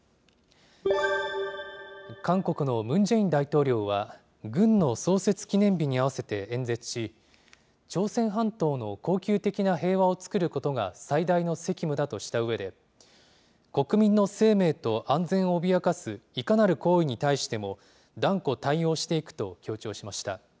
韓国のムン・ジェイン大統領は、軍の創設記念日に合わせて演説し、朝鮮半島の恒久的な平和を作ることが最大の責務だとしたうえで、国民の生命と安全を脅かす、いかなる行為に対しても、断固対応していくと強調しました。